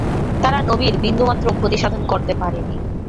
তারা নবীর বিন্দুমাত্র ক্ষতি সাধন করতে পারেনি।